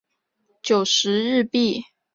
九十日币